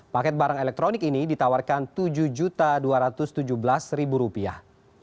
paket barang elektronik ini ditawarkan tujuh dua ratus tujuh belas rupiah